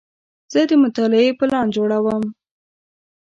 زه د مطالعې پلان جوړوم.